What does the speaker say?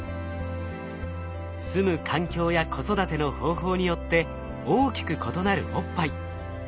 住む環境や子育ての方法によって大きく異なるおっぱい。